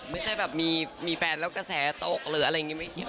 ไม่ใช่แบบมีแฟนแล้วกระแสตกหรืออะไรอย่างนี้ไม่เกี่ยว